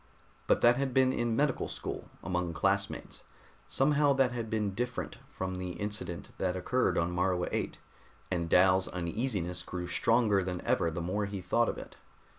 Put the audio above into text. But that had been in medical school, among classmates. Somehow that had been different from the incident that occurred on Morua VIII, and Dal's uneasiness grew stronger than ever the more he thought of it.